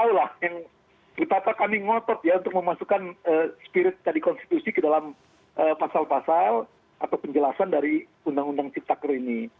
itulah yang betapa kami ngotot ya untuk memasukkan spirit tadi konstitusi ke dalam pasal pasal atau penjelasan dari undang undang ciptaker ini